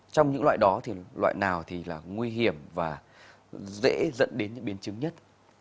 trong những loại đó thì loại nào thì là nguy hiểm và dễ dẫn đến những biến chứng nhất